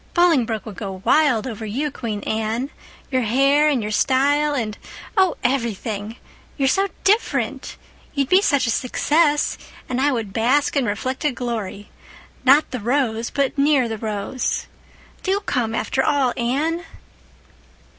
Bolingbroke would go wild over you, Queen Anne—your hair and your style and, oh, everything! You're so different. You'd be such a success—and I would bask in reflected glory—'not the rose but near the rose.' Do come, after all, Anne."